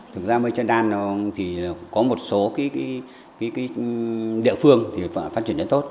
thực ra mơ chế đan thì có một số địa phương phát triển rất tốt